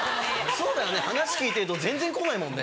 そうだよね話聞いてると全然来ないもんね。